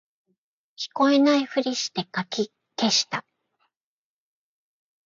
聞こえないふりしてかき消した